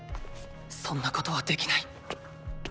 そんなことはできない。